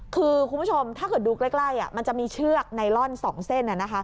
คือคุณผู้ชมถ้าเกิดดูใกล้มันจะมีเชือกไนลอน๒เส้น